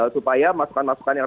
supaya masukan masih bisa ditutup